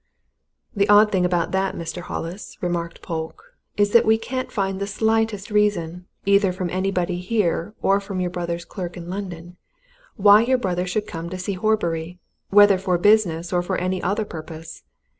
"The odd thing about that, Mr. Hollis," remarked Polke, "is that we can't find the slightest reason, either from anybody here, or from your brother's clerk in London, why your brother should come to see Horbury, whether for business, or for any other purpose.